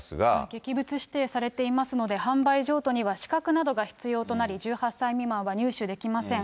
劇物指定されていますので、販売譲渡には資格などが必要となり、１８歳未満は入手できません。